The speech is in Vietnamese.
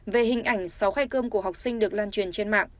về hình ảnh sáu khay cơm của học sinh được lan truyền trên mạng